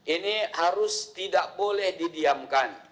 ini harus tidak boleh didiamkan